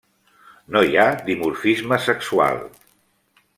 No hi ha dimorfisme sexual.